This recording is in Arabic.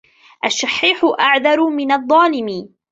الشَّحِيحُ أَعْذَرُ مِنْ الظَّالِمِ